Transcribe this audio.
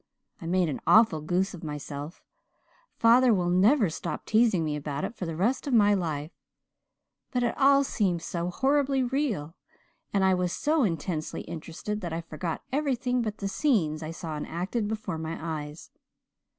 I made an awful goose of myself father will never stop teasing me about it for the rest of my life. But it all seemed so horribly real and I was so intensely interested that I forgot everything but the scenes I saw enacted before my eyes.